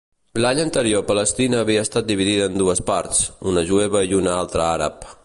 L'any anterior Palestina havia estat dividida en dues parts: una jueva i una altra àrab.